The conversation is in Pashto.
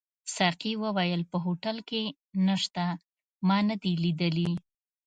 ساقي وویل: په هوټل کي نشته، ما نه دي لیدلي.